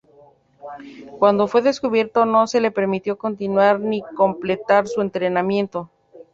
Cuando fue descubierto no se le permitió continuar ni completar su entrenamiento.